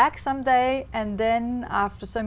đó là hai trăm linh năm trước